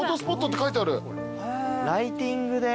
ライティングで。